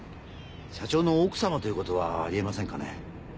社長の奥様ということはありえませんかね？